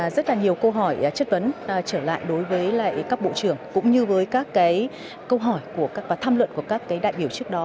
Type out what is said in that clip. rất là nhiều câu hỏi chất vấn trở lại đối với các bộ trưởng cũng như với các câu hỏi và tham luận của các đại biểu trước đó